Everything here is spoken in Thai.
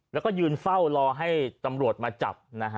แล้วก็ยืนเฝ้ารอให้ตำรวจมาจับนะฮะ